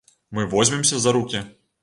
Мы возьмемся за рукі!